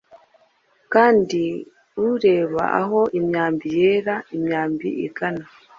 kandi urebe aho imyambi-yera imyambi igana